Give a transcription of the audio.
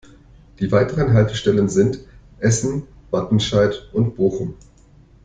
Die weiteren Haltestellen sind Essen, Wattenscheid und Bochum.